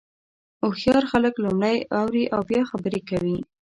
هوښیار خلک لومړی اوري او بیا خبرې کوي.